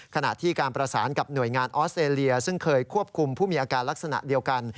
ขณะที่การประสานกับหน่วยงานออสเตรเลียซึ่งเคยควบคุมผู้มีอาการลักษณะเดียวกัน